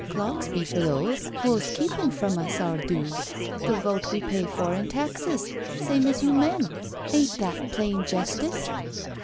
Clogs be for those w'o's keeping from us our due, the vote we pay for in taxes, same as you men— ain't that plain jestice?"